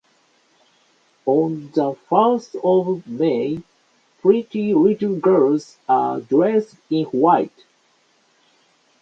On the first of May, pretty little girls are dressed in white.